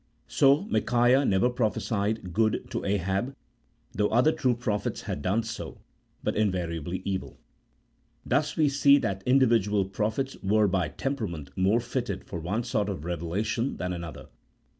So, Micaiah never prophesied good to Ahab, though other true prophets had done so, but invariably evil. Thus we see that individual prophets were by temperament more fitted for one sort of revelation than another.